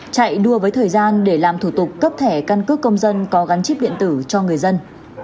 chạy đua với thời gian để làm thủ tục cấp thẻ căn cước công dân có gắn chip điện tử cho người dân